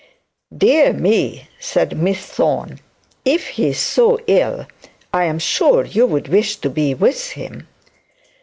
'Dear me,' said Miss Thorne. 'If he is so ill, I sure you'd wish to be with him.'